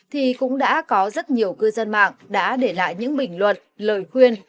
thì cũng đã có rất nhiều cư dân mạng đã để lại những bình luận lời khuyên